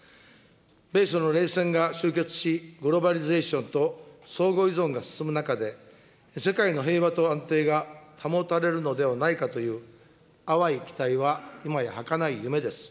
米ソの冷戦が集結し、グローバリゼーションと相互依存が進む中で、世界の平和と安定が保たれるのではないかという淡い期待は今やはかない夢です。